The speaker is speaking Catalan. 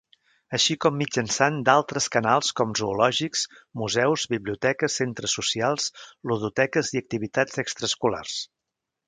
Així com mitjançant d'altres canals com zoològics, museus, biblioteques, centres socials, ludoteques i activitats extraescolars.